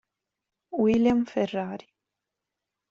William Ferrari